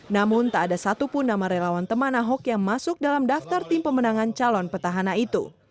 namun tak ada satupun nama relawan teman ahok yang masuk dalam daftar tim pemenangan calon petahana itu